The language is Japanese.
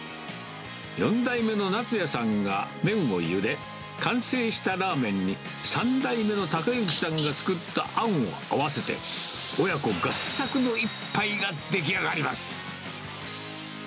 ４代目の夏也さんが麺をゆで、完成したラーメンに、３代目の孝之さんが作ったあんを合わせて、親子合作の一杯が出来上がります。